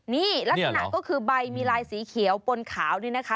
นี่ลักษณะก็คือใบมีลายสีเขียวปนขาวนี่นะคะ